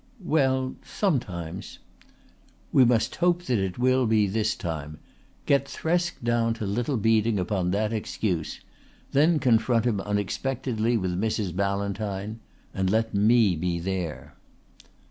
"Well sometimes." "We must hope that it will be this time. Get Thresk down to Little Beeding upon that excuse. Then confront him unexpectedly with Mrs. Ballantyne. And let me be there."